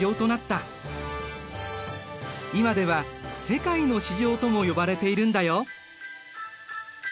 今では世界の市場とも呼ばれているんだよ。